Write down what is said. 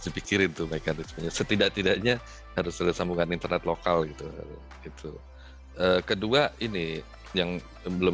diperhatikan setidak tidaknya harus ada sambungan internet lokal gitu itu kedua ini yang belum